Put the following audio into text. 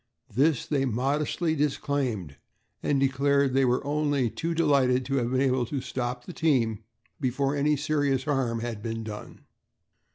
This they modestly disclaimed and declared they were only too delighted to have been able to stop the team before any serious harm had been done.